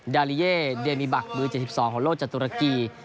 ดาลีเอเดมีบัคมือเจ็ดสิบสองของโลกจากตุรกี